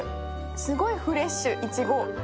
すごいフレッシュ、いちご。